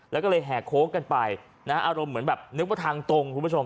แล้วก็เลยแห่โค้งกันไปนะอารมณ์เหมือนแบบนึกว่าทางตรงคุณผู้ชม